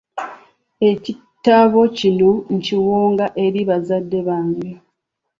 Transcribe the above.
Ekitabo kino nkiwonga eri bazadde bange,